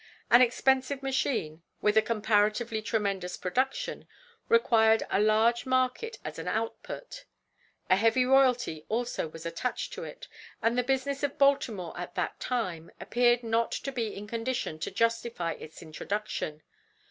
An expensive machine, with a comparatively tremendous production, required a large market as an output; a heavy royalty also was attached to it, and the business of Baltimore at that time appeared not to be in condition to justify its introduction.